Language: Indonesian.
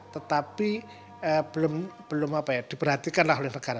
tetapi belum apa ya diperhatikanlah oleh negara